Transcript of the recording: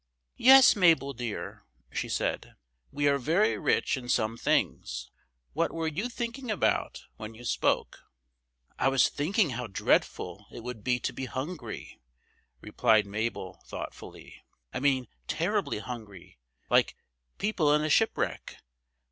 "Yes, Mabel dear," she said. "We are very rich in some things. What were you thinking about when you spoke?" "I was thinking how dreadful it would be to be hungry," replied Mabel, thoughtfully. "I mean terribly hungry, like people in a shipwreck.